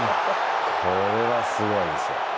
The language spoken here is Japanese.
これはすごいですよ。